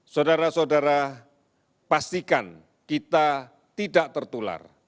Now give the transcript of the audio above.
saudara saudara pastikan kita tidak tertular